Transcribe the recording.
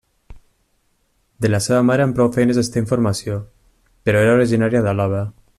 De la seva mare amb prou feines es té informació, però era originària d'Àlaba.